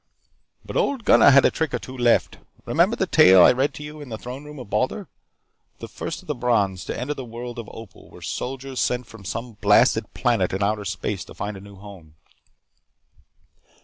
"But Old Gunnar had a trick or two left. Remember the tale that I read to you in the throne room of Baldar. The first of the Brons to enter the world of Opal were soldiers sent from some blasted planet in outer space to find a new home.